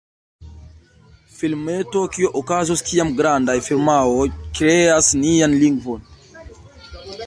Filmeto: 'Kio okazos kiam grandaj firmaoj kreas nian lingvon?